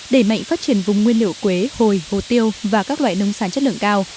đẩy mạnh phát triển vùng nguyên liệu quế hồi hồ tiêu và các loại nông sản chất lượng cao